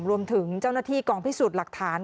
รวมถึงเจ้าหน้าที่กองพิสูจน์หลักฐาน